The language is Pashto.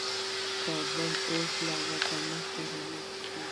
کابل د اوبو له کمښت سره مخ دې